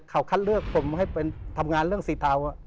เขาคัดเลือกผมให้เป็นทำงานเรื่องสีเทา